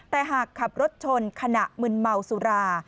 แต่หากขับรถชนขณะมึนเมาสุรา